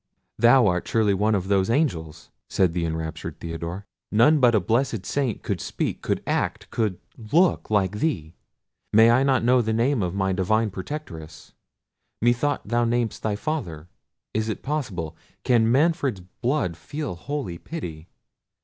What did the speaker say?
"Thou art surely one of those angels!" said the enraptured Theodore: "none but a blessed saint could speak, could act—could look—like thee. May I not know the name of my divine protectress? Methought thou namedst thy father. Is it possible? Can Manfred's blood feel holy pity!